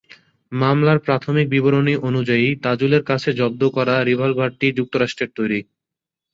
মামলার প্রাথমিক বিবরণী অনুযায়ী, তাজুলের কাছ থেকে জব্দ করা রিভলবারটি যুক্তরাষ্ট্রের তৈরি।